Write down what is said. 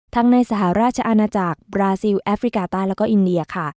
ในสหราชอาณาจักรบราซิลแอฟริกาใต้แล้วก็อินเดียค่ะ